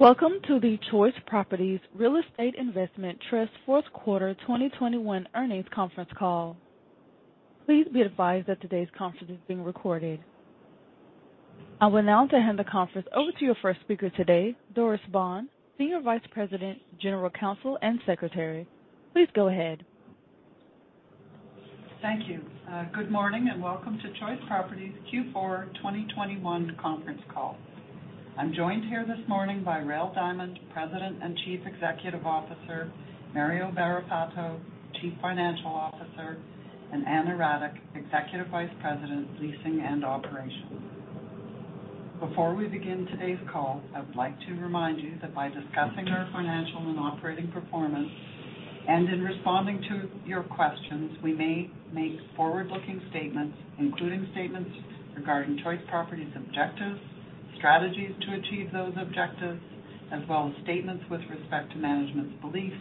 Welcome to the Choice Properties Real Estate Investment Trust Fourth Quarter 2021 Earnings Conference Call. Please be advised that today's conference is being recorded. I will now hand the conference over to your first speaker today, Doris Baughan, Senior Vice President, General Counsel and Secretary. Please go ahead. Thank you. Good morning, and welcome to Choice Properties Q4 2021 conference call. I'm joined here this morning by Rael Diamond, President and Chief Executive Officer, Mario Barrafato, Chief Financial Officer, and Ana Radic, Executive Vice President, Leasing and Operations. Before we begin today's call, I would like to remind you that by discussing our financial and operating performance and in responding to your questions, we may make forward-looking statements, including statements regarding Choice Properties objectives, strategies to achieve those objectives, as well as statements with respect to management's beliefs,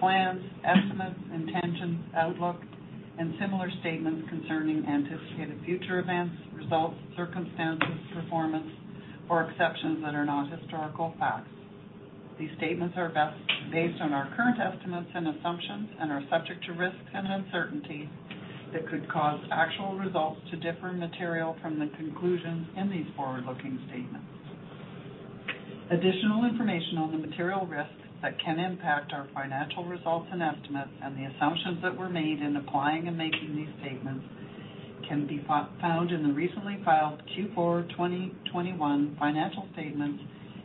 plans, estimates, intentions, outlook, and similar statements concerning anticipated future events, results, circumstances, performance, or expectations that are not historical facts. These statements are based on our current estimates and assumptions and are subject to risks and uncertainties that could cause actual results to differ materially from the conclusions in these forward-looking statements. Additional information on the material risks that can impact our financial results and estimates and the assumptions that were made in applying and making these statements can be found in the recently filed Q4 2021 financial statements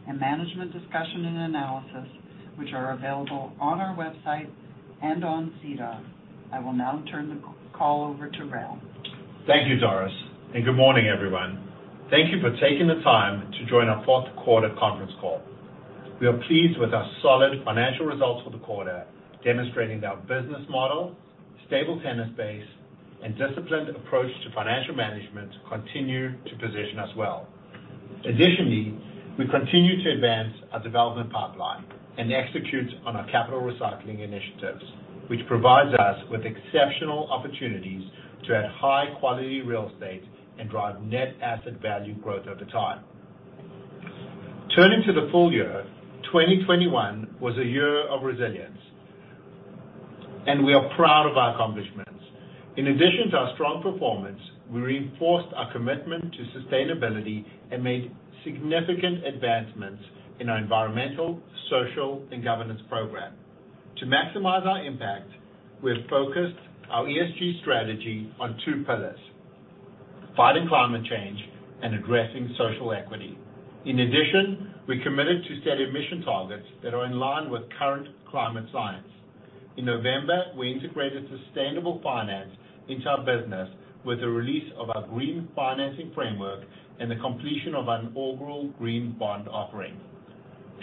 and Management's Discussion and Analysis, which are available on our website and on SEDAR. I will now turn the call over to Rael. Thank you, Doris, and good morning, everyone. Thank you for taking the time to join our fourth quarter conference call. We are pleased with our solid financial results for the quarter, demonstrating our business model, stable tenant base, and disciplined approach to financial management continue to position us well. Additionally, we continue to advance our development pipeline and execute on our capital recycling initiatives, which provides us with exceptional opportunities to add high-quality real estate and drive net asset value growth over time. Turning to the full year, 2021 was a year of resilience, and we are proud of our accomplishments. In addition to our strong performance, we reinforced our commitment to sustainability and made significant advancements in our environmental, social, and governance program. To maximize our impact, we have focused our ESG strategy on two pillars, fighting climate change and addressing social equity. In addition, we committed to steady emission targets that are in line with current climate science. In November, we integrated sustainable finance into our business with the release of our green financing framework and the completion of an overall green bond offering.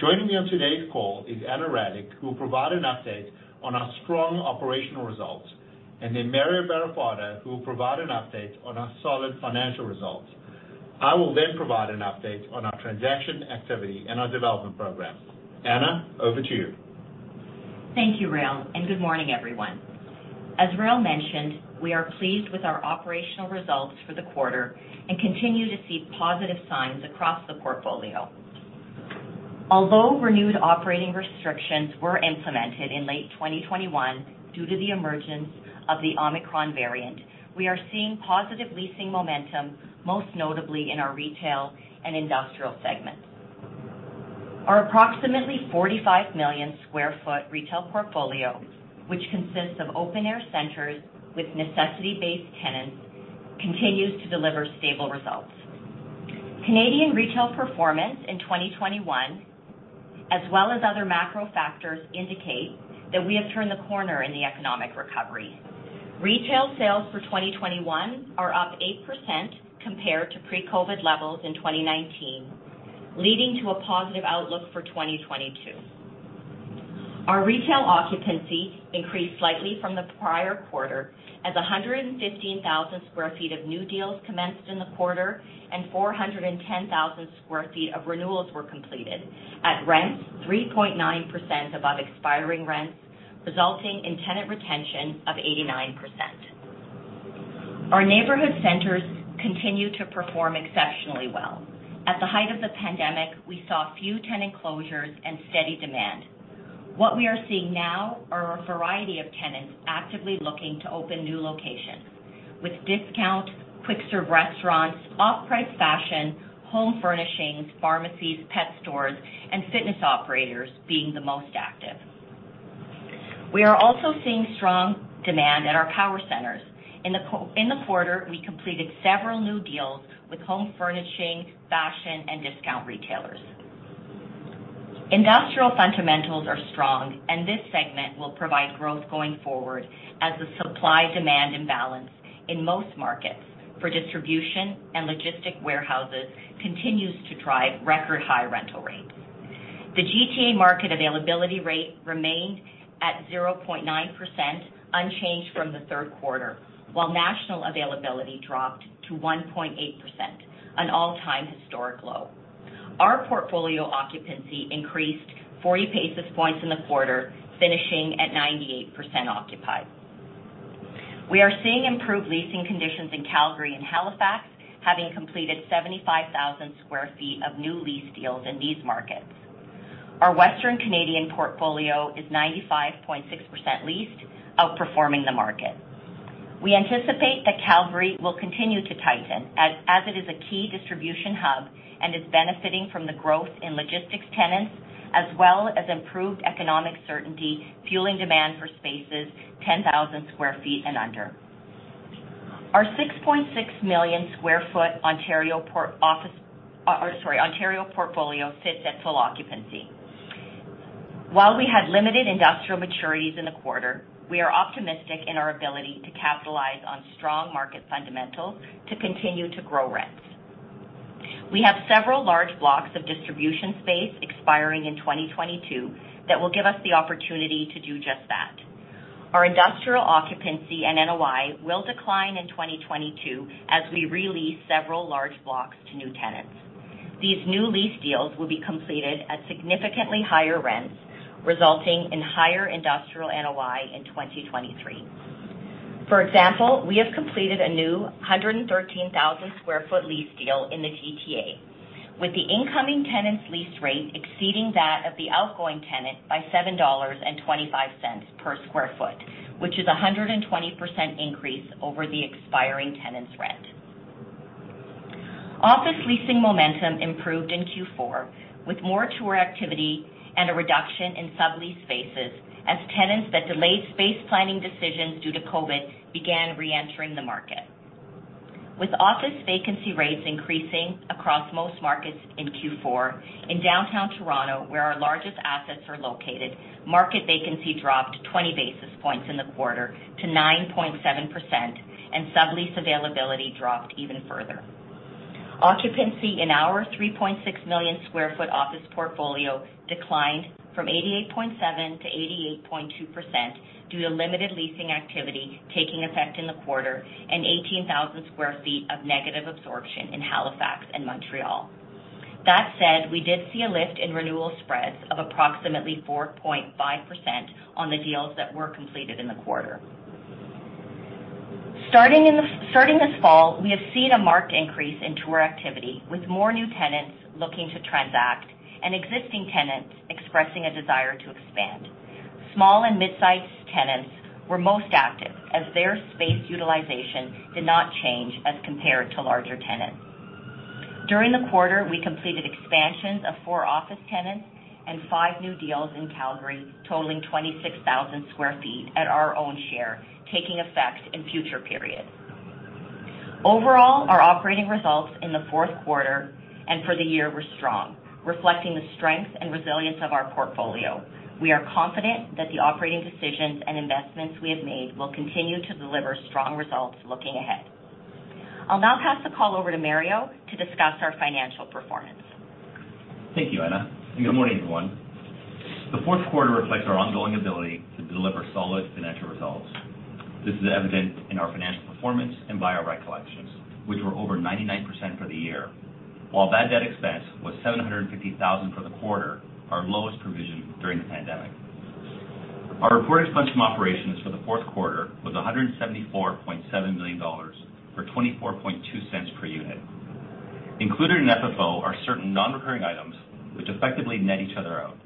Joining me on today's call is Ana Radic, who will provide an update on our strong operational results, and then Mario Barrafato, who will provide an update on our solid financial results. I will then provide an update on our transaction activity and our development program. Ana, over to you. Thank you, Rael, and good morning, everyone. As Rael mentioned, we are pleased with our operational results for the quarter and continue to see positive signs across the portfolio. Although renewed operating restrictions were implemented in late 2021 due to the emergence of the Omicron variant, we are seeing positive leasing momentum, most notably in our retail and industrial segments. Our approximately 45 million sq ft retail portfolio, which consists of open air centers with necessity-based tenants, continues to deliver stable results. Canadian retail performance in 2021, as well as other macro factors, indicate that we have turned the corner in the economic recovery. Retail sales for 2021 are up 8% compared to pre-COVID levels in 2019, leading to a positive outlook for 2022. Our retail occupancy increased slightly from the prior quarter as 115,000 sq ft of new deals commenced in the quarter and 410,000 sq ft of renewals were completed at rents 3.9% above expiring rents, resulting in tenant retention of 89%. Our neighborhood centers continue to perform exceptionally well. At the height of the pandemic, we saw few tenant closures and steady demand. What we are seeing now are a variety of tenants actively looking to open new locations, with discount, quick serve restaurants, off-price fashion, home furnishings, pharmacies, pet stores, and fitness operators being the most active. We are also seeing strong demand at our power centers. In the quarter, we completed several new deals with home furnishing, fashion, and discount retailers. Industrial fundamentals are strong, and this segment will provide growth going forward as the supply-demand imbalance in most markets for distribution and logistic warehouses continues to drive record high rental rates. The GTA market availability rate remained at 0.9%, unchanged from the third quarter, while national availability dropped to 1.8%, an all-time historic low. Our portfolio occupancy increased 40 basis points in the quarter, finishing at 98% occupied. We are seeing improved leasing conditions in Calgary and Halifax, having completed 75,000 sq ft of new lease deals in these markets. Our Western Canadian portfolio is 95.6% leased, outperforming the market. We anticipate that Calgary will continue to tighten as it is a key distribution hub and is benefiting from the growth in logistics tenants as well as improved economic certainty, fueling demand for spaces 10,000 sq ft and under. Our 6.6 million sq ft Ontario portfolio sits at full occupancy. While we had limited industrial maturities in the quarter, we are optimistic in our ability to capitalize on strong market fundamentals to continue to grow rents. We have several large blocks of distribution space expiring in 2022 that will give us the opportunity to do just that. Our industrial occupancy and NOI will decline in 2022 as we re-lease several large blocks to new tenants. These new lease deals will be completed at significantly higher rents, resulting in higher industrial NOI in 2023. For example, we have completed a new 113,000 sq ft lease deal in the GTA, with the incoming tenant's lease rate exceeding that of the outgoing tenant by 7.25 dollars per sq ft, which is a 120% increase over the expiring tenant's rent. Office leasing momentum improved in Q4 with more tour activity and a reduction in sublease spaces as tenants that delayed space planning decisions due to COVID began re-entering the market. With office vacancy rates increasing across most markets in Q4, in downtown Toronto, where our largest assets are located, market vacancy dropped 20 basis points in the quarter to 9.7%, and sublease availability dropped even further. Occupancy in our 3.6 million sq ft office portfolio declined from 88.7%-88.2% due to limited leasing activity taking effect in the quarter and 18,000 sq ft of negative absorption in Halifax and Montreal. That said, we did see a lift in renewal spreads of approximately 4.5% on the deals that were completed in the quarter. Starting this fall, we have seen a marked increase in tour activity, with more new tenants looking to transact and existing tenants expressing a desire to expand. Small and mid-size tenants were most active as their space utilization did not change as compared to larger tenants. During the quarter, we completed expansions of four office tenants and five new deals in Calgary, totaling 26,000 sq ft at our own share, taking effect in future periods. Overall, our operating results in the fourth quarter and for the year were strong, reflecting the strength and resilience of our portfolio. We are confident that the operating decisions and investments we have made will continue to deliver strong results looking ahead. I'll now pass the call over to Mario to discuss our financial performance. Thank you, Ana, and good morning, everyone. The fourth quarter reflects our ongoing ability to deliver solid financial results. This is evident in our financial performance and via rent collections, which were over 99% for the year. While bad debt expense was 750,000 for the quarter, our lowest provision during the pandemic. Our reported funds from operations for the fourth quarter was 174.7 million dollars, or 0.242 per unit. Included in FFO are certain non-recurring items which effectively net each other out.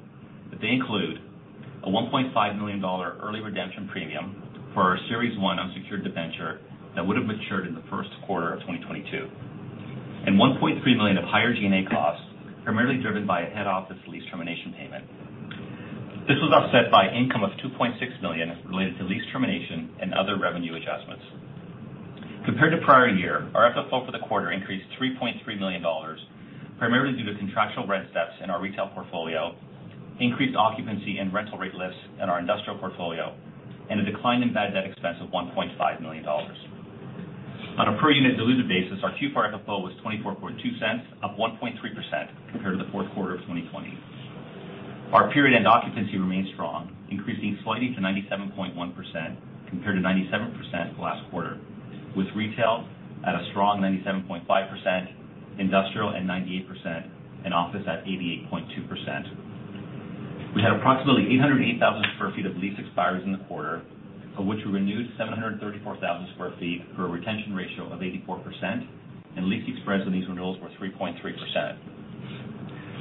They include a 1.5 million dollar early redemption premium for our Series I unsecured debenture that would have matured in the first quarter of 2022, and 1.3 million of higher G&A costs, primarily driven by a head office lease termination payment. This was offset by income of 2.6 million related to lease termination and other revenue adjustments. Compared to prior year, our FFO for the quarter increased 3.3 million dollars, primarily due to contractual rent steps in our retail portfolio, increased occupancy and rental rate lists in our industrial portfolio, and a decline in bad debt expense of 1.5 million dollars. On a per unit diluted basis, our Q4 FFO was 0.242, up 1.3% compared to the fourth quarter of 2020. Our period-end occupancy remains strong, increasing slightly to 97.1% compared to 97% last quarter, with retail at a strong 97.5%, industrial at 98%, and office at 88.2%. We had approximately 808,000 sq ft of lease expires in the quarter, of which we renewed 734,000 sq ft for a retention ratio of 84%, and lease expense on these renewals were 3.3%.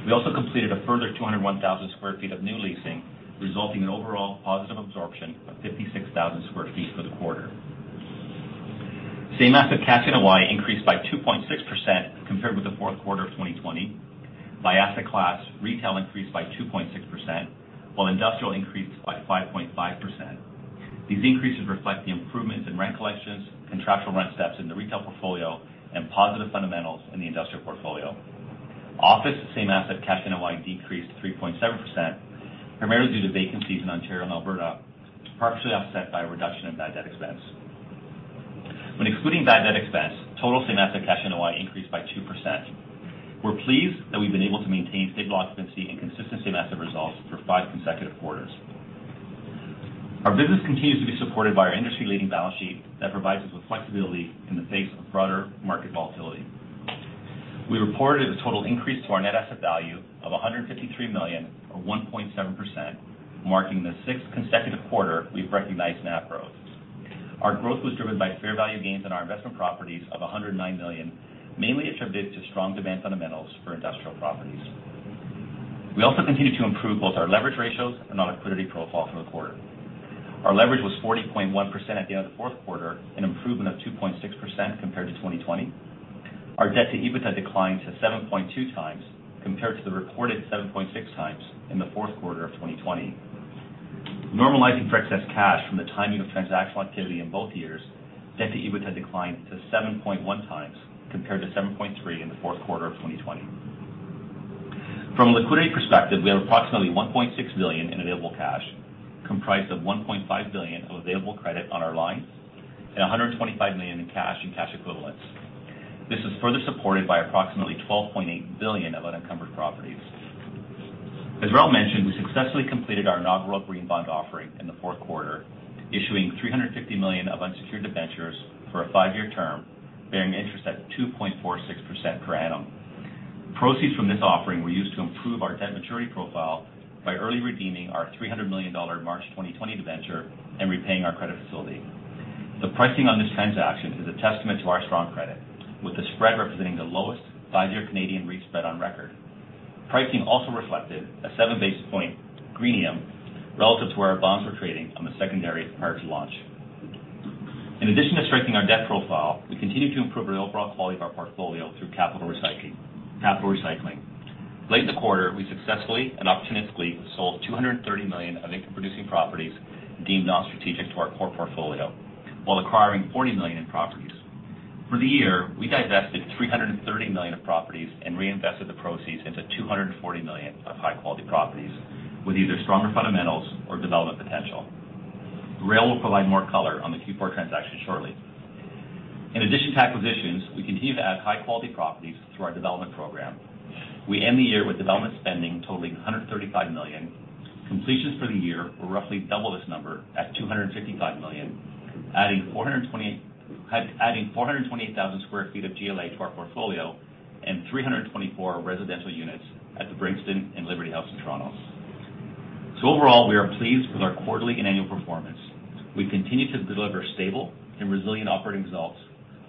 We also completed a further 201,000 sq ft of new leasing, resulting in overall positive absorption of 56,000 sq ft for the quarter. Same asset cash NOI increased by 2.6% compared with the fourth quarter of 2020. By asset class, retail increased by 2.6%, while industrial increased by 5.5%. These increases reflect the improvements in rent collections, contractual rent steps in the retail portfolio, and positive fundamentals in the industrial portfolio. Office same asset cash NOI decreased 3.7%, primarily due to vacancies in Ontario and Alberta, partially offset by a reduction in bad debt expense. When excluding bad debt expense, total same asset cash NOI increased by 2%. We're pleased that we've been able to maintain stable occupancy and consistent same asset results for five consecutive quarters. Our business continues to be supported by our industry-leading balance sheet that provides us with flexibility in the face of broader market volatility. We reported a total increase to our net asset value of 153 million, or 1.7%, marking the sixth consecutive quarter we've recognized NAV growth. Our growth was driven by fair value gains in our investment properties of 109 million, mainly attributed to strong demand fundamentals for industrial properties. We continued to improve both our leverage ratios and our liquidity profile through the quarter. Our leverage was 40.1% at the end of the fourth quarter, an improvement of 2.6% compared to 2020. Our debt-to-EBITDA declined to 7.2x compared to the reported 7.6x in the fourth quarter of 2020. Normalizing for excess cash from the timing of transactional activity in both years, debt-to-EBITDA declined to 7.1x compared to 7.3x in the fourth quarter of 2020. From a liquidity perspective, we have approximately 1.6 billion in available cash, comprised of 1.5 billion of available credit on our lines and 125 million in cash and cash equivalents. This is further supported by approximately 12.8 billion of unencumbered properties. As Rael mentioned, we successfully completed our inaugural green bond offering in the fourth quarter, issuing 350 million of unsecured debentures for a five-year term, bearing interest at 2.46% per annum. Proceeds from this offering were used to improve our debt maturity profile by early redeeming our 300 million dollar March 2020 debenture and repaying our credit facility. The pricing on this transaction is a testament to our strong credit, with the spread representing the lowest five-year Canadian REIT spread on record. Pricing also reflected a 7 basis point greenium relative to where our bonds were trading on the secondary prior to launch. In addition to strengthening our debt profile, we continued to improve the overall quality of our portfolio through capital recycling. Late in the quarter, we successfully and opportunistically sold 230 million of income-producing properties deemed non-strategic to our core portfolio, while acquiring 40 million in properties. For the year, we divested 330 million of properties and reinvested the proceeds into 240 million of high-quality properties, with either stronger fundamentals or development potential. Rael will provide more color on the Q4 transaction shortly. In addition to acquisitions, we continue to add high-quality properties through our development program. We end the year with development spending totaling 135 million. Completions for the year were roughly double this number at 255 million, adding 428,000 sq ft of GLA to our portfolio and 324 residential units at The Brixton and Liberty House in Toronto. Overall, we are pleased with our quarterly and annual performance. We continue to deliver stable and resilient operating results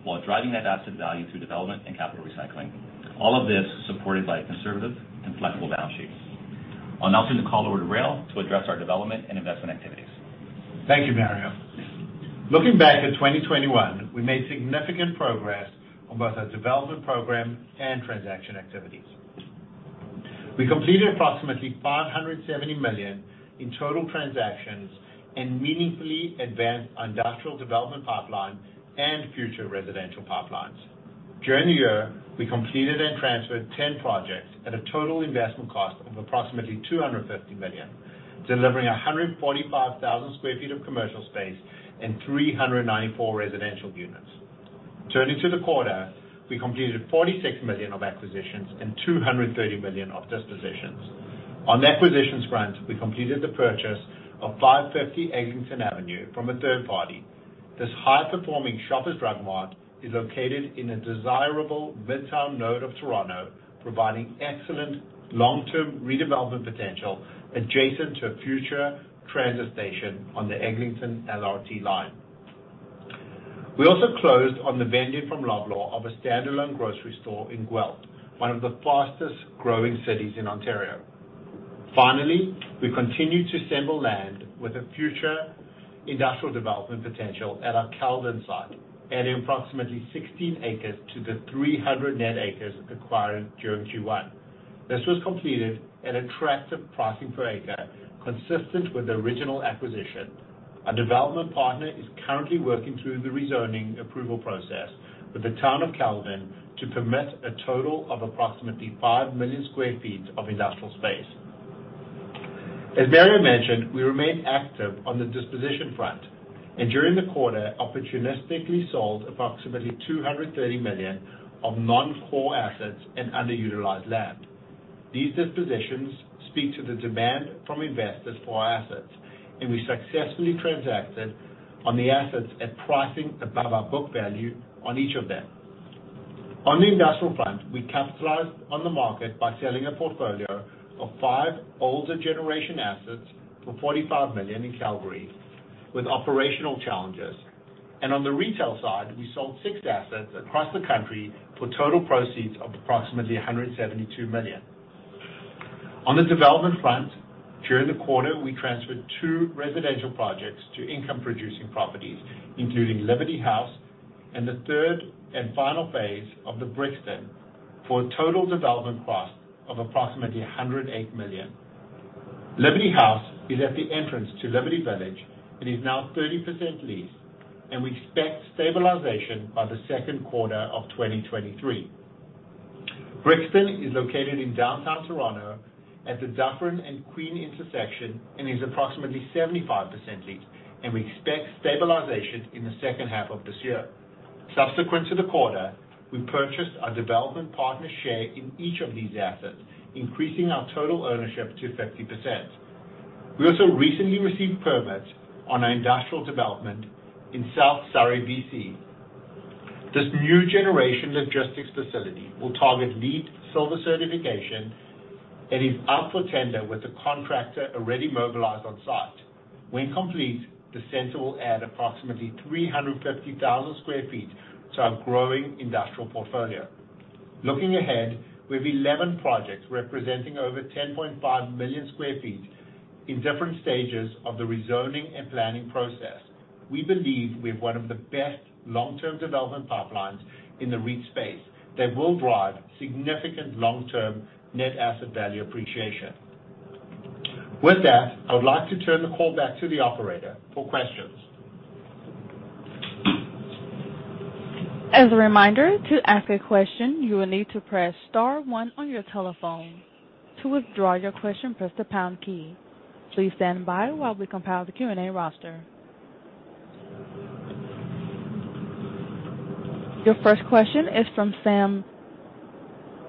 while driving net asset value through development and capital recycling. All of this supported by a conservative and flexible balance sheet. I'll now turn the call over to Rael to address our development and investment activities. Thank you, Mario. Looking back at 2021, we made significant progress on both our development program and transaction activities. We completed approximately 570 million in total transactions and meaningfully advanced industrial development pipeline and future residential pipelines. During the year, we completed and transferred 10 projects at a total investment cost of approximately 250 million, delivering 145,000 sq ft of commercial space and 394 residential units. Turning to the quarter, we completed 46 million of acquisitions and 230 million of dispositions. On the acquisitions front, we completed the purchase of 550 Eglinton Avenue from a third party. This high-performing Shoppers Drug Mart is located in a desirable midtown node of Toronto, providing excellent long-term redevelopment potential adjacent to a future transit station on the Eglinton LRT line. We also closed on the vend-in from Loblaw of a standalone grocery store in Guelph, one of the fastest-growing cities in Ontario. Finally, we continued to assemble land with a future industrial development potential at our Caledon site, adding approximately 16 acres to the 300 net acres acquired during Q1. This was completed at attractive pricing per acre, consistent with the original acquisition. Our development partner is currently working through the rezoning approval process with the Town of Caledon to permit a total of approximately 5 million sq ft of industrial space. As Mario mentioned, we remain active on the disposition front and during the quarter, opportunistically sold approximately 230 million of non-core assets and underutilized land. These dispositions speak to the demand from investors for our assets, and we successfully transacted on the assets at pricing above our book value on each of them. On the industrial front, we capitalized on the market by selling a portfolio of five older generation assets for 45 million in Calgary with operational challenges. On the retail side, we sold six assets across the country for total proceeds of approximately 172 million. On the development front, during the quarter, we transferred two residential projects to income-producing properties, including Liberty House and the third and final phase of The Brixton, for a total development cost of approximately 108 million. Liberty House is at the entrance to Liberty Village. It is now 30% leased, and we expect stabilization by the second quarter of 2023. Brixton is located in downtown Toronto at the Dufferin and Queen intersection and is approximately 75% leased, and we expect stabilization in the second half of this year. Subsequent to the quarter, we purchased our development partner's share in each of these assets, increasing our total ownership to 50%. We also recently received permits on our industrial development in South Surrey, B.C. This new generation logistics facility will target LEED Silver certification and is out for tender, with the contractor already mobilized on site. When complete, the center will add approximately 350,000 sq ft to our growing industrial portfolio. Looking ahead, we have 11 projects representing over 10.5 million sq ft in different stages of the rezoning and planning process. We believe we have one of the best long-term development pipelines in the REIT space that will drive significant long-term net asset value appreciation. With that, I would like to turn the call back to the operator for questions. Your first question is from Sam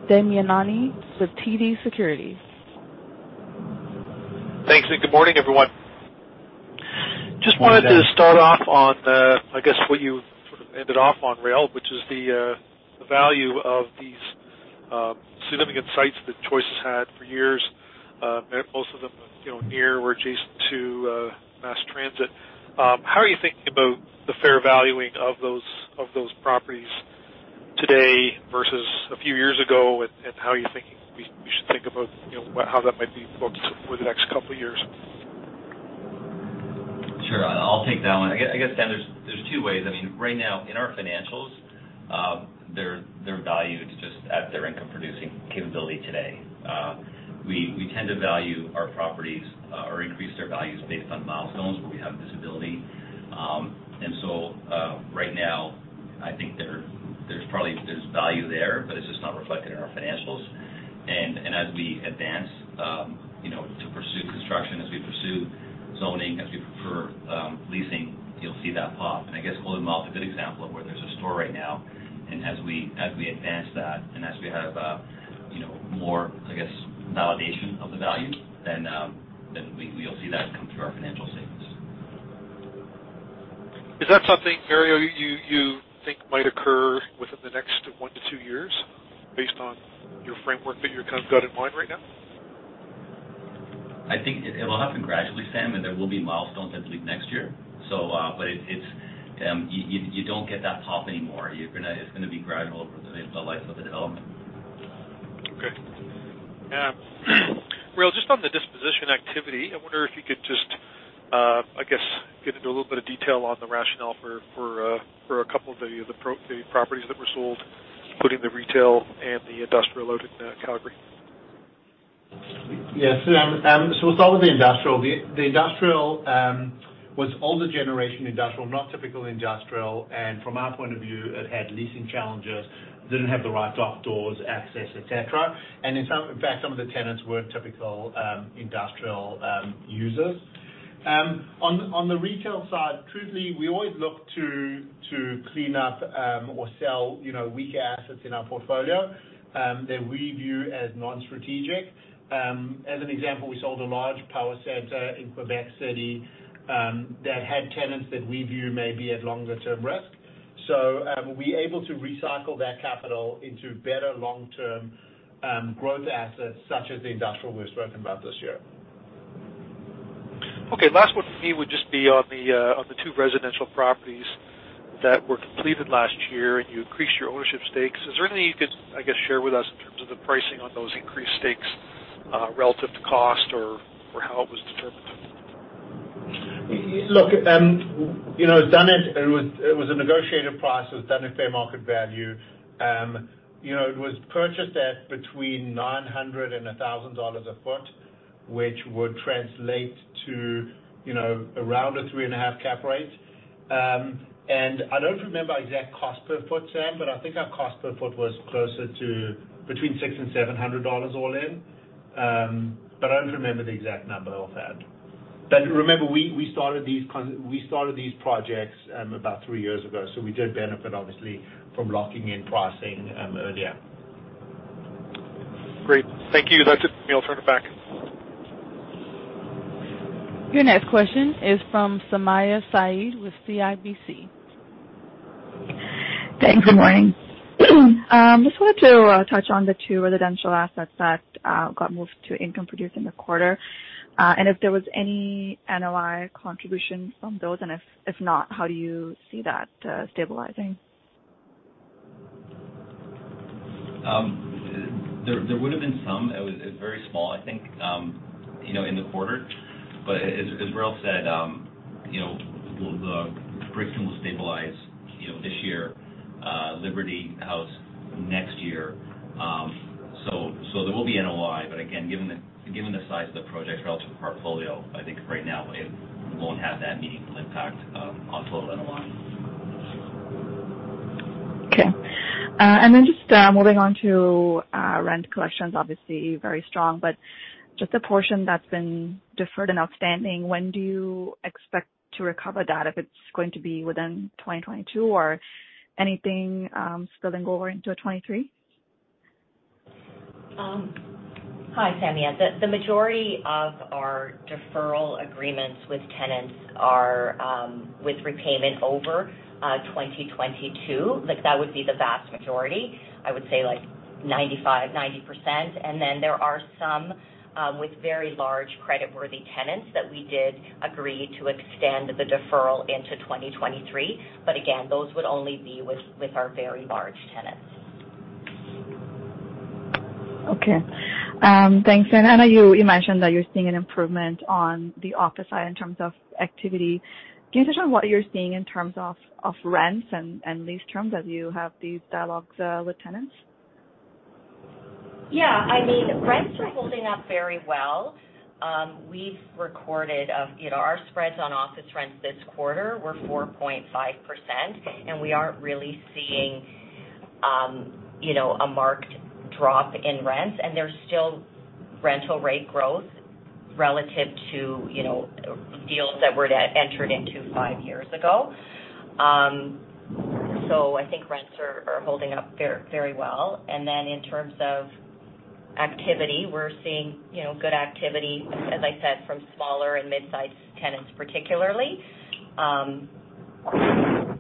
Damiani with TD Securities. Thanks, and good morning, everyone. Morning, Sam. Just wanted to start off on, I guess what you sort of ended off on, Rael, which is the value of these significant sites that Choice has had for years. Most of them are, you know, near or adjacent to mass transit. How are you thinking about the fair valuing of those properties today versus a few years ago? How are you thinking we should think about, you know, how that might be focused over the next couple of years? Sure. I'll take that one. I guess, Sam, there's two ways. I mean, right now, in our financials, they're valued just at their income-producing capability today. We tend to value our properties or increase their values based on milestones where we have visibility. Right now, I think there's probably value there, but it's just not reflected in our financials. As we advance, you know, to pursue construction, as we pursue zoning, as we pre-lease, you'll see that pop. I guess Golden Mile is a good example of where there's a store right now. As we advance that, and as we have, you know, more validation of the value, then we will see that come through our financial statements. Is that something, Mario, you think might occur within the next one to two years based on your framework that you're kind of got in mind right now? I think it will happen gradually, Sam, and there will be milestones, I believe, next year. You don't get that pop anymore. It's gonna be gradual over the life of the development. Okay. Rael, just on the disposition activity, I wonder if you could just, I guess, get into a little bit of detail on the rationale for a couple of the properties that were sold, including the retail and the industrial out in Calgary. Yes. So we'll start with the industrial. The industrial was older generation industrial, not typical industrial. From our point of view, it had leasing challenges, didn't have the right dock doors, access, et cetera. In fact, some of the tenants weren't typical industrial users. On the retail side, truthfully, we always look to clean up or sell, you know, weaker assets in our portfolio that we view as non-strategic. As an example, we sold a large power center in Quebec City that had tenants that we view maybe at longer term risk. We're able to recycle that capital into better long-term growth assets such as the industrial we've spoken about this year. Okay. Last one from me would just be on the two residential properties that were completed last year, and you increased your ownership stakes. Is there anything you could, I guess, share with us in terms of the pricing on those increased stakes, relative to cost or how it was determined? Look, you know, it was a negotiated price. It was done at fair market value. You know, it was purchased at between 900 and 1,000 dollars a foot, which would translate to, you know, around a 3.5 cap rate. And I don't remember exact cost per foot, Sam, but I think our cost per foot was closer to between 600 and 700 dollars all in. But I don't remember the exact number offhand. Remember, we started these projects about three years ago, so we did benefit obviously from locking in pricing earlier. Great. Thank you. That's it from me. I'll turn it back. Your next question is from Sumayya Syed with CIBC. Thanks. Good morning. Just wanted to touch on the two residential assets that got moved to income produced in the quarter. If there was any NOI contribution from those, and if not, how do you see that stabilizing? There would've been some. It was very small, I think, you know, in the quarter. As Rael said, you know, The Brixton will stabilize, you know, this year, Liberty House next year. There will be NOI, but again, given the size of the projects relative to portfolio, I think right now it won't have that meaningful impact on total NOI. Okay. Just moving on to rent collections, obviously very strong, but just the portion that's been deferred and outstanding, when do you expect to recover that? If it's going to be within 2022 or anything, spilling over into 2023? Hi, Sumayya. The majority of our deferral agreements with tenants are with repayment over 2022. Like, that would be the vast majority. I would say, like 95%, 90%. There are some with very large creditworthy tenants that we did agree to extend the deferral into 2023. Again, those would only be with our very large tenants. Okay. Thanks. I know you mentioned that you're seeing an improvement on the office side in terms of activity. Can you touch on what you're seeing in terms of rents and lease terms as you have these dialogues with tenants? Yeah. I mean, rents are holding up very well. We've recorded, you know, our spreads on office rents this quarter were 4.5%, and we aren't really seeing, you know, a marked drop in rents. There's still rental rate growth relative to, you know, deals that were entered into five years ago. I think rents are holding up very, very well. In terms of activity, we're seeing, you know, good activity, as I said, from smaller and mid-sized tenants particularly. Yeah.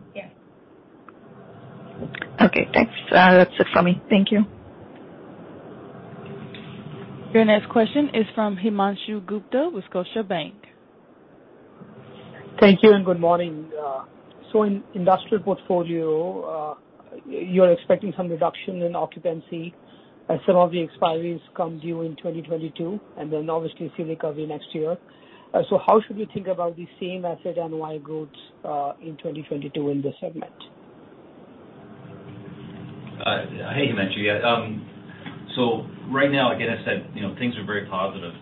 Okay, thanks. That's it for me. Thank you. Your next question is from Himanshu Gupta with Scotiabank. Thank you, and good morning. In industrial portfolio, you're expecting some reduction in occupancy as some of the expiries come due in 2022, and then obviously seeing early next year. How should we think about the same asset NOI growth in 2022 in this segment? Hey, Himanshu. Right now, again, as said, you know, things are very positive.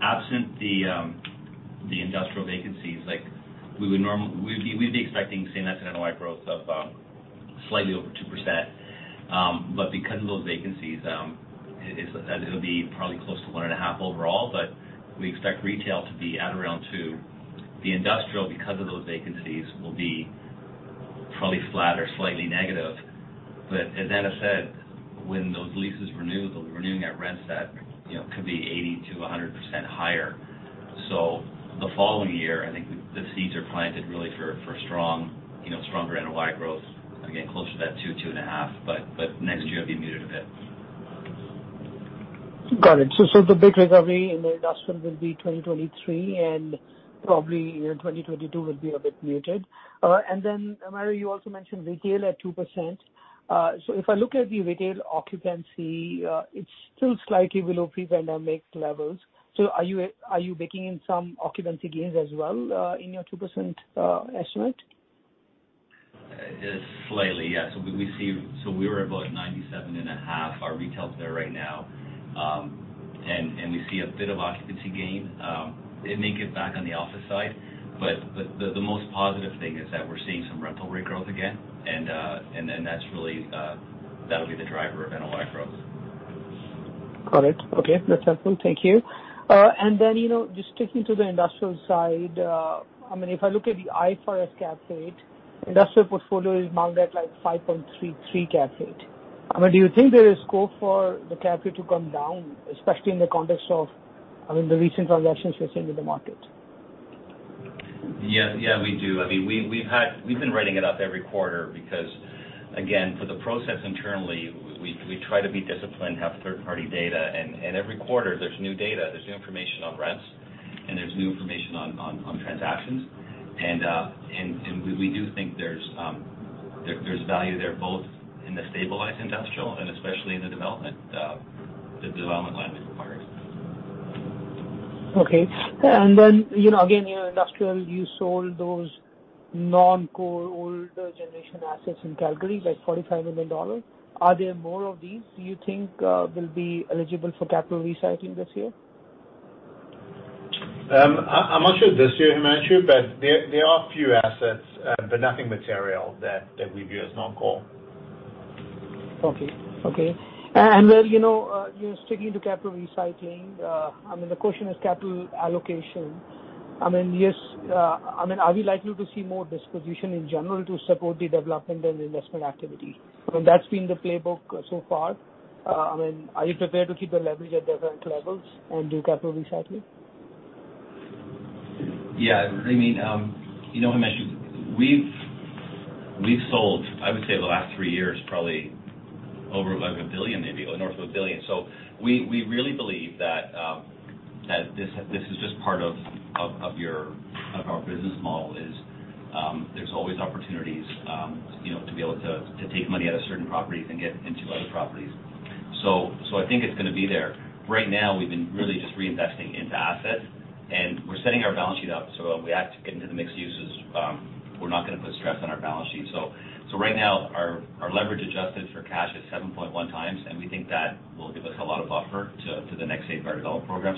Absent the industrial vacancies, like, we'd be expecting same asset NOI growth of slightly over 2%. Because of those vacancies, it'll be probably close to 1.5% overall, but we expect retail to be at around 2%. The industrial, because of those vacancies, will be probably flat or slightly negative. As Ana said, when those leases renew, they'll be renewing at rents that, you know, could be 80%-100% higher. The following year, I think the seeds are planted really for strong, you know, stronger NOI growth, again, close to that 2%-2.5%. Next year it'll be muted a bit. Got it. The big recovery in the industrial will be 2023, and probably in 2022 will be a bit muted. Mario, you also mentioned retail at 2%. If I look at the retail occupancy, it's still slightly below pre-pandemic levels. Are you baking in some occupancy gains as well, in your 2% estimate? Just slightly, yeah. We were about 97.5%. Our retail's there right now. We see a bit of occupancy gain, and they get back on the office side. The most positive thing is that we're seeing some rental rate growth again, and then that's really, that'll be the driver of NOI growth. Got it. Okay. That's helpful. Thank you. You know, just sticking to the industrial side, I mean, if I look at the IFRS cap rate, industrial portfolio is marked at, like, 5.33% cap rate. I mean, do you think there is scope for the cap rate to come down, especially in the context of, I mean, the recent transactions we're seeing in the market? Yeah. Yeah, we do. I mean, we've been writing it up every quarter because, again, for the process internally, we try to be disciplined, have third-party data. Every quarter there's new data, there's new information on rents, and there's new information on transactions. We do think there's value there both in the stabilized industrial and especially in the development land we've acquired. Okay. You know, again, your industrial, you sold those non-core older generation assets in Calgary, like, 45 million dollars. Are there more of these do you think, will be eligible for capital recycling this year? I'm not sure this year, Himanshu, but there are a few assets, but nothing material that we view as non-core. Okay. You know, you know, sticking to capital recycling, I mean, the question is capital allocation. I mean, yes, I mean, are we likely to see more disposition in general to support the development and investment activity? I mean, that's been the playbook so far. I mean, are you prepared to keep the leverage at different levels and do capital recycling? Yeah. I mean, you know, Himanshu, we've sold. I would say the last three years, probably over, like, 1 billion, maybe, or north of 1 billion. We really believe that this is just part of our business model. There's always opportunities, you know, to be able to take money out of certain properties and get into other properties. I think it's gonna be there. Right now we've been really just reinvesting into assets. We're setting our balance sheet up so that when we act to get into the mixed uses, we're not gonna put stress on our balance sheet. Right now our leverage adjusted for cash is 7.1x, and we think that will give us a lot of buffer to the next eight-part development program.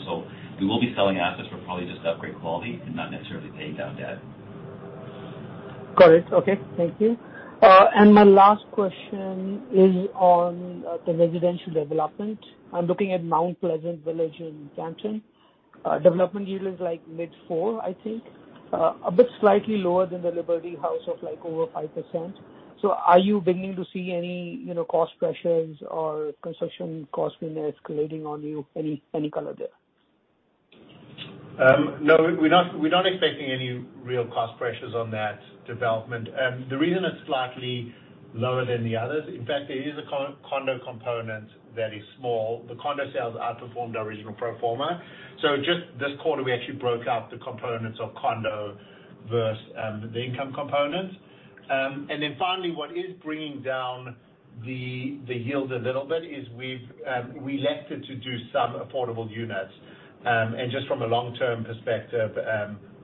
We will be selling assets, but probably just to upgrade quality and not necessarily paying down debt. Got it. Okay. Thank you. My last question is on the residential development. I'm looking at Mount Pleasant Village in Brampton. Development yield is like mid-4%, I think. A bit slightly lower than the Liberty House of, like, over 5%. Are you beginning to see any, you know, cost pressures or construction costs being escalating on you? Any color there? No, we're not expecting any real cost pressures on that development. The reason it's slightly lower than the others, in fact, there is a condo component that is small. The condo sales outperformed our original pro forma. Just this quarter, we actually broke out the components of condo versus the income component. Then finally, what is bringing down the yield a little bit is we've elected to do some affordable units. Just from a long-term perspective,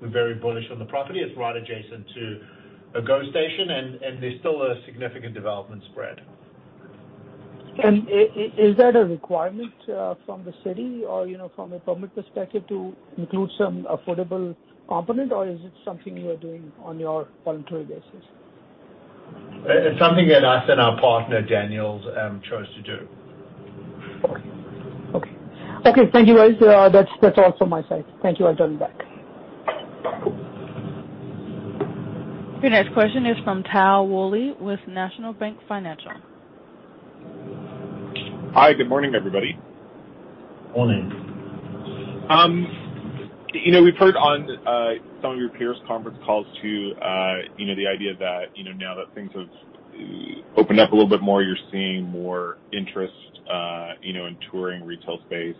we're very bullish on the property. It's right adjacent to a GO station, and there's still a significant development spread. Is that a requirement, from the city or, you know, from a public perspective to include some affordable component, or is it something you are doing on your voluntary basis? It's something that us and our partner, Daniels, chose to do. Okay, thank you, guys. That's all from my side. Thank you all. I turn it back to you. Your next question is from Tal Woolley, with National Bank Financial. Hi, good morning, everybody. Morning. You know, we've heard on some of your peers' conference calls, too, you know, the idea that, you know, now that things have opened up a little bit more, you're seeing more interest, you know, in touring retail space,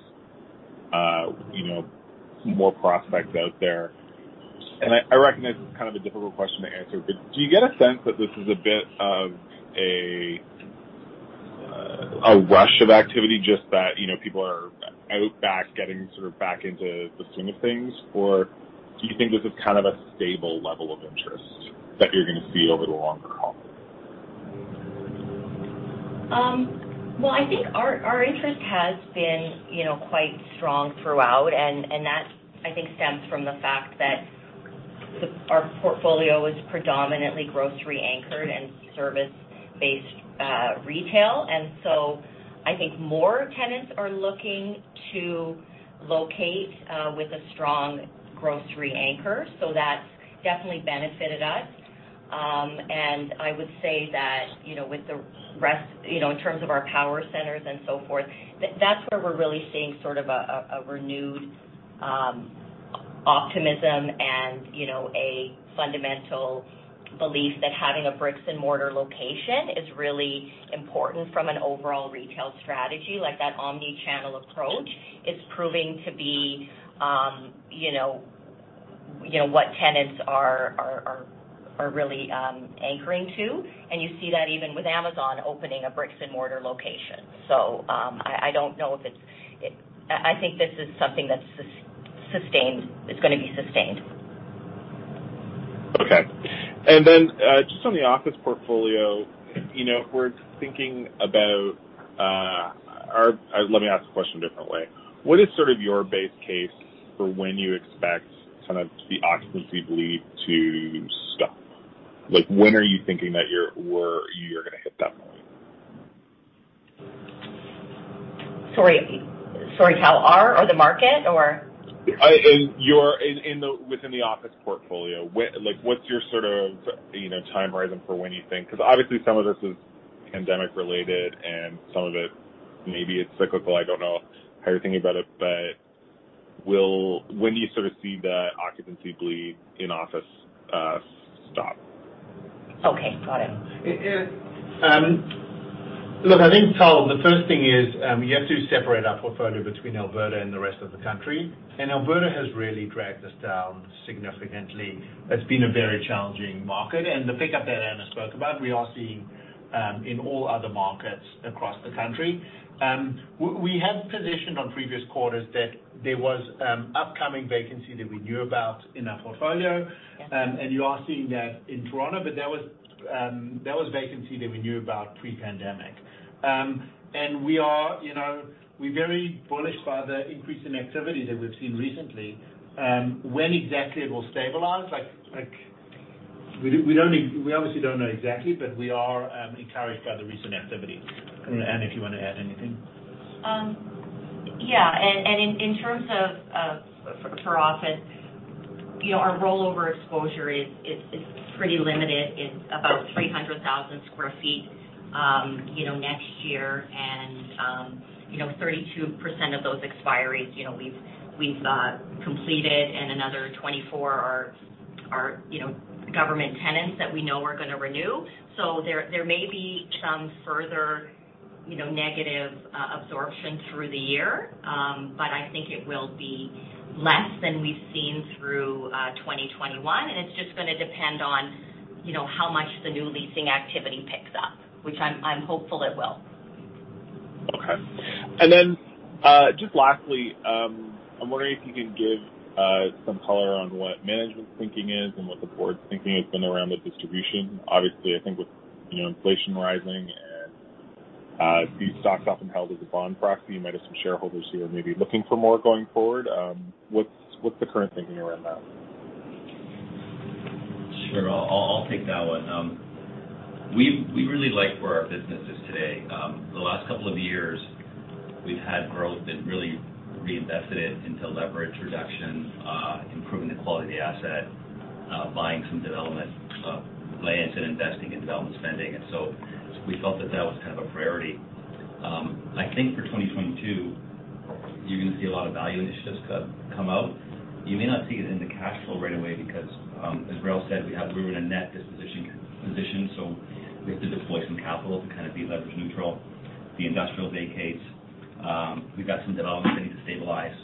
you know, some more prospects out there. I recognize it's kind of a difficult question to answer, but do you get a sense that this is a bit of a rush of activity, just that, you know, people are out and about getting sort of back into the swing of things? Or do you think this is kind of a stable level of interest that you're gonna see over the longer haul? Well, I think our interest has been, you know, quite strong throughout. That, I think, stems from the fact that our portfolio is predominantly grocery-anchored and service-based retail. I think more tenants are looking to locate with a strong grocery anchor. That's definitely benefited us. I would say that, you know, with the rest, you know, in terms of our power centers and so forth, that's where we're really seeing sort of a renewed optimism and, you know, a fundamental belief that having a brick-and-mortar location is really important from an overall retail strategy. Like, that omni-channel approach is proving to be, you know, what tenants are really anchoring to. You see that even with Amazon opening a brick-and-mortar location. I think this is something that's sustained. It's gonna be sustained. Okay. Just on the office portfolio, you know, if we're thinking about. Let me ask the question a different way. What is sort of your base case for when you expect kind of the occupancy bleed to stop? Like, when are you thinking that you're gonna hit that point? Sorry, Tal. Our or the market or? Within the office portfolio, like, what's your sort of, you know, time horizon for when you think? Because obviously, some of this is pandemic related, and some of it, maybe it's cyclical. I don't know how you're thinking about it. When do you sort of see the occupancy bleed in office stop? Okay, got it. Look, I think, Tal, the first thing is, you have to separate our portfolio between Alberta and the rest of the country. Alberta has really dragged us down significantly. It's been a very challenging market. The pickup that Ana spoke about, we are seeing in all other markets across the country. We have positioned on previous quarters that there was upcoming vacancy that we knew about in our portfolio. Yeah. You are seeing that in Toronto. That was vacancy that we knew about pre-pandemic. We are, you know, we're very bullish by the increase in activity that we've seen recently. When exactly it will stabilize, like, we obviously don't know exactly, but we are encouraged by the recent activity. Ana, if you wanna add anything. Yeah. In terms of for office, you know, our rollover exposure is pretty limited. It's about 300,000 sq ft next year. Thirty-two percent of those expiries, you know, we've completed, and another 24 are government tenants that we know are gonna renew. There may be some further negative absorption through the year. But I think it will be less than we've seen through 2021, and it's just gonna depend on how much the new leasing activity picks up, which I'm hopeful it will. Okay. Just lastly, I'm wondering if you can give some color on what management's thinking is and what the board's thinking has been around the distribution. Obviously, I think with, you know, inflation rising and these stocks often held as a bond proxy, you might have some shareholders who are maybe looking for more going forward. What's the current thinking around that? Sure. I'll take that one. We really like where our business is today. The last couple of years, we've had growth that really reinvested it into leverage reduction, improving the quality of the asset, buying some development lands, and investing in development spending. We felt that was kind of a rarity. I think for 2022, you're gonna see a lot of value initiatives come out. You may not see it in the cash flow right away because, as Rael said, we're in a net disposition position, so we have to deploy some capital to kind of be leverage neutral. The industrial vacancies. We've got some developments that need to stabilize.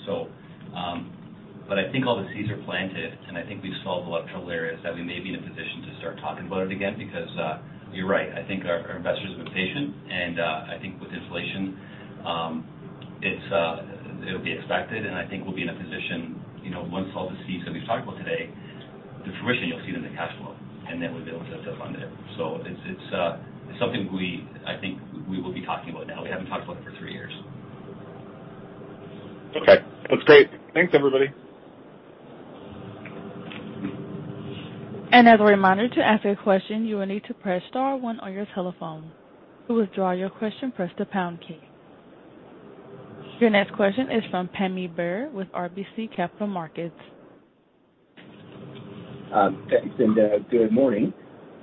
I think all the seeds are planted, and I think we've solved a lot of trail areas that we may be in a position to start talking about it again because you're right. I think our investors have been patient. I think with inflation, it'll be expected, and I think we'll be in a position, you know, once all the seeds that we've talked about today, the fruition you'll see it in the cash flow, and then we'll be able to fund it. It's something I think we will be talking about now. We haven't talked about it for three years. Okay. That's great. Thanks, everybody. As a reminder, to ask a question, you will need to press star one on your telephone. To withdraw your question, press the pound key. Your next question is from Pammi Bir with RBC Capital Markets. Thanks and good morning.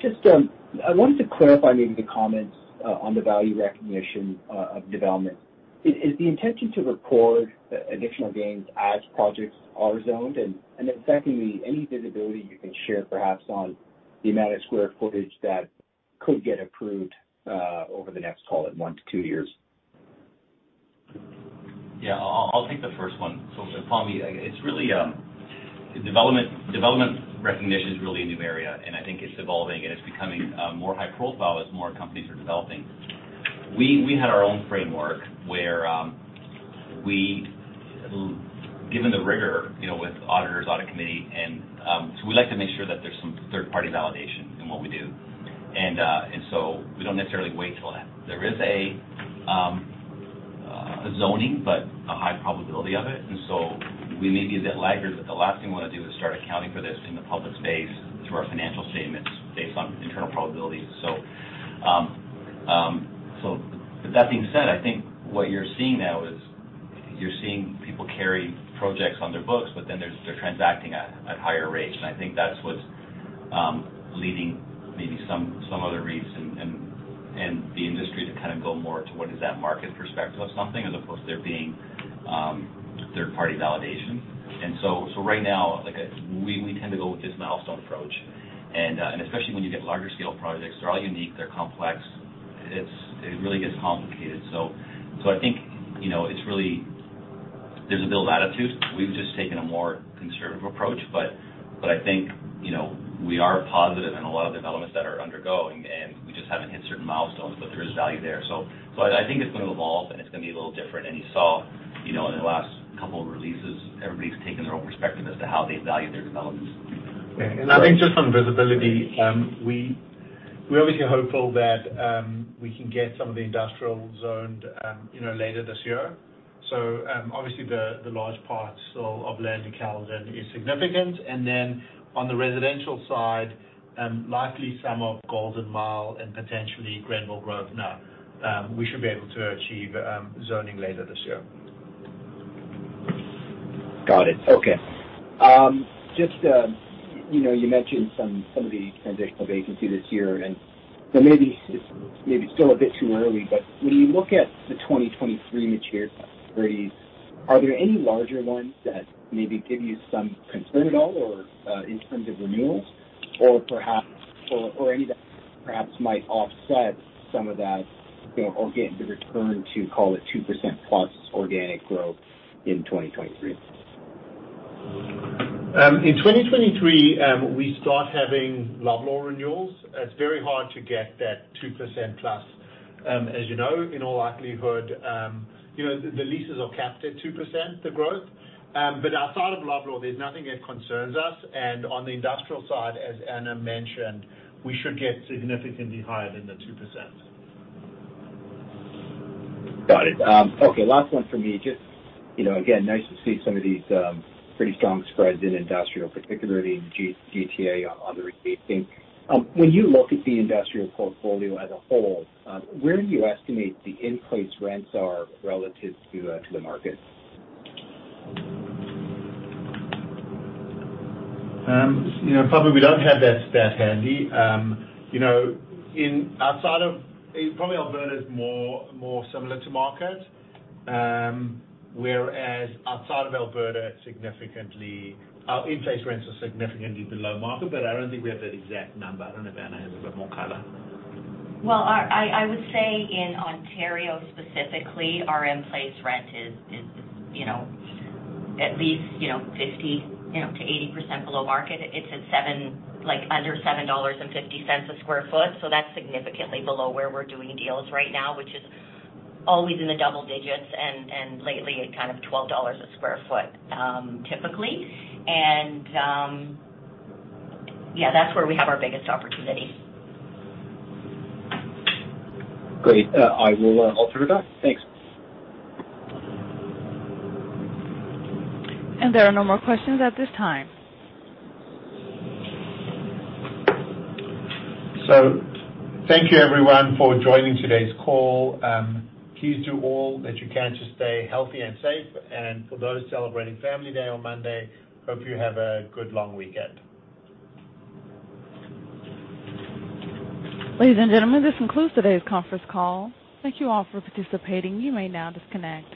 Just I wanted to clarify maybe the comments on the value recognition of development. Is the intention to record additional gains as projects are zoned? Secondly, any visibility you can share perhaps on the amount of square footage that could get approved over the next, call it one to two years? Yeah. I'll take the first one. Pammy, it's really development recognition is really a new area, and I think it's evolving, and it's becoming more high profile as more companies are developing. We had our own framework where Given the rigor, you know, with auditors, audit committee, and so we like to make sure that there's some third-party validation in what we do. We don't necessarily wait till then. There is a zoning, but a high probability of it. We may be a bit laggard, but the last thing we wanna do is start accounting for this in the public space through our financial statements based on internal probabilities. With that being said, I think what you're seeing now is you're seeing people carry projects on their books, but then they're transacting at higher rates. I think that's what's leading maybe some other REITs and the industry to kind of go more to what is that market perspective of something as opposed to there being third-party validation. Right now, like we tend to go with this milestone approach. Especially when you get larger scale projects, they're all unique, they're complex. It really gets complicated. I think, you know, it's really a matter of attitude. We've just taken a more conservative approach. I think, you know, we are positive in a lot of developments that are undergoing, and we just haven't hit certain milestones, but there is value there. I think it's gonna evolve, and it's gonna be a little different. You saw, you know, in the last couple of releases, everybody's taken their own perspective as to how they value their developments. I think just on visibility, we're obviously hopeful that we can get some of the industrial zoned, you know, later this year. Obviously, the large parts of land in Caledon is significant. Then on the residential side, likely some of Golden Mile and potentially Granville Grove now, we should be able to achieve zoning later this year. Got it. Okay. Just, you know, you mentioned some of the transitional vacancy this year. Maybe it's still a bit too early, but when you look at the 2023 matured properties, are there any larger ones that maybe give you some concern at all or, in terms of renewals, or perhaps or any that perhaps might offset some of that, you know, or get the return to call it 2%+ organic growth in 2023? In 2023, we start having Loblaw renewals. It's very hard to get that 2%+. As you know, in all likelihood, you know, the leases are capped at 2%, the growth. But outside of Loblaw, there's nothing that concerns us. On the industrial side, as Ana mentioned, we should get significantly higher than the 2%. Got it. Okay, last one for me. Just, you know, again, nice to see some of these pretty strong spreads in industrial, particularly in GTA on the REIT thing. When you look at the industrial portfolio as a whole, where do you estimate the in-place rents are relative to the market? You know, probably we don't have that stat handy. You know, probably Alberta is more similar to market. Whereas outside of Alberta, significantly our in-place rents are significantly below market, but I don't think we have that exact number. I don't know if Ana has a bit more color. Well, I would say in Ontario specifically, our in-place rent is, you know, at least, you know, 50%-80% below market. It's like under 7.50 dollars a sq ft. That's significantly below where we're doing deals right now, which is always in the double digits and lately at kind of 12 dollars a sq ft, typically. That's where we have our biggest opportunity. Great. I'll turn it back. Thanks. There are no more questions at this time. Thank you, everyone, for joining today's call. Please do all that you can to stay healthy and safe. For those celebrating Family Day on Monday, hope you have a good long weekend. Ladies and gentlemen, this concludes today's conference call. Thank you all for participating. You may now disconnect.